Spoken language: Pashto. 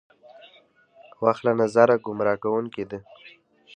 وخت له نظره ګمراه کوونکې ده.